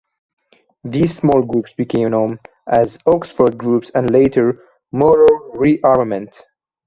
These small groups became known as Oxford Groups and later Moral Re-Armament.